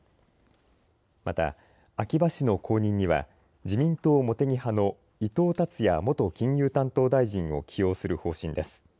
また秋葉氏の後任には自民党茂木派の伊藤達也元金融担当大臣を起用する方針です。